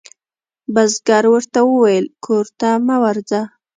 بزګر ورته وویل کور ته مه ورځه.